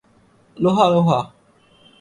লোহা, লোহা।